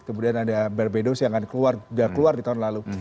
kemudian ada barbados yang sudah keluar di tahun lalu